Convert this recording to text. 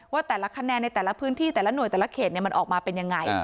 ว่าแต่ละคะแนนในแต่ละพื้นที่แต่ละหน่วยแต่ละเขตมันออกมาเป็นยังไง